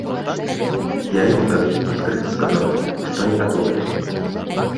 Я яму тады адкрыта сказала, што не гатовая.